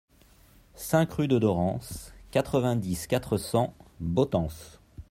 cinq rue de Dorans, quatre-vingt-dix, quatre cents, Botans